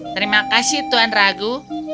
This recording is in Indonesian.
terima kasih tuan ragu